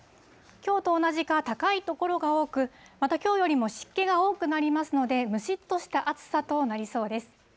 きょうと同じか高い所が多く、また、きょうよりも湿気が多くなりますので、むしっとした暑さとなりそうです。